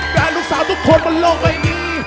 แดดลูกสาวทุกคนบนโลกไม่มี